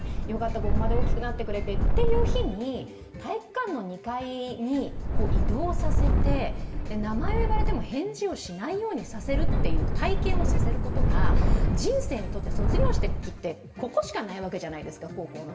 ここまで大きくなってくれてという日に、体育館の２階に移動させて、名前を呼ばれても返事をしないようにさせるという体験をさせることが人生にとって卒業式ってここしかないわけじゃないですか、高校の。